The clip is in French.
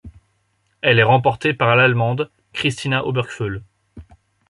Elle est remportée par l'Allemande Christina Obergföll.